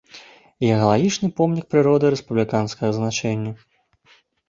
Геалагічны помнік прыроды рэспубліканскага значэння.